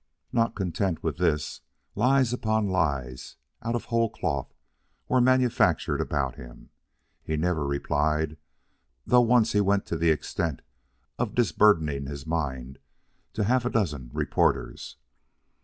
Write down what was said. Not content with this, lies upon lies, out of whole cloth, were manufactured about him. He never replied, though once he went to the extent of disburdening his mind to half a dozen reporters.